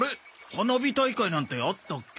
花火大会なんてあったっけ？